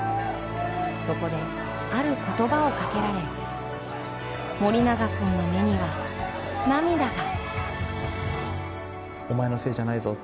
そこである言葉をかけられ、盛永君の目には涙が。